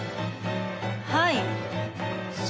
はい。